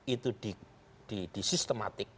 itu di sistematik